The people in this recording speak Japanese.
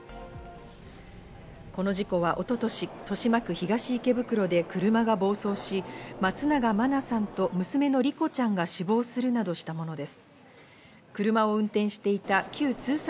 この事故は一昨年、豊島区東池袋で車が暴走し、松永真菜さんと娘の莉子ちゃんが死亡するなどしたものです。